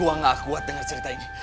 gue nggak kuat dengar cerita ini